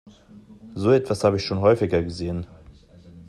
So etwas habe ich schon häufiger gesehen.